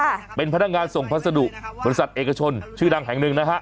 ดึงโทรศัสตร์เอกชนชื่อดังแห่งหนึ่งนะฮะ